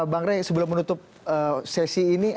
bang rey sebelum menutup sesi ini